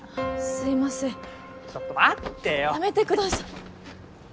すいませんちょっと待ってよやめてください